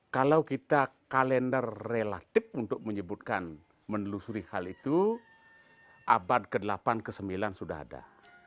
kalau kita kalender relatif untuk menyebutkan menelusuri hal itu abad ke delapan ke sembilan sudah ada